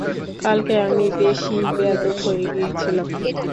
কালকে আমি বেশিই বেয়াদব হয়ে গিয়েছিলাম।